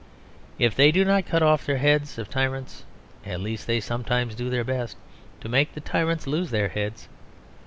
If they do not cut off the heads of tyrants at least they sometimes do their best to make the tyrants lose their heads.